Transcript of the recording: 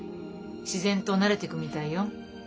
自然と慣れてくみたいよ。